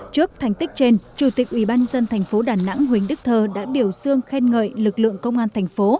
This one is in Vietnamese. trước thành tích trên chủ tịch ubnd tp đà nẵng huỳnh đức thơ đã biểu xương khen ngợi lực lượng công an tp